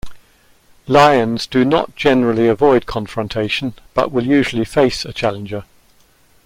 Lions do not generally avoid confrontation, but will usually face a challenger.